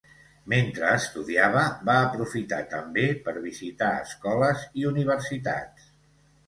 Mentre estudiava, va aprofitar també, per visitar Escoles i Universitats.